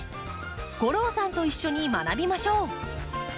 吾郎さんと一緒に学びましょう！